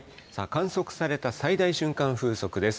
観測された最大瞬間風速です。